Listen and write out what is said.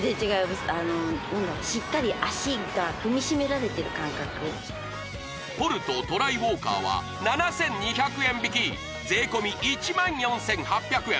足が感覚ポルトトライウォーカーは７２００円引き税込１４８００円